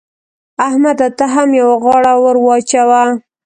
احمده! ته هم يوه غاړه ور واچوه.